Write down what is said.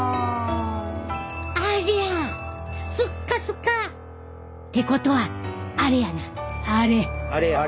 ありゃスッカスカ。ってことはあれやなあれ！